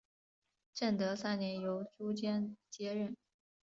正德三年由朱鉴接任。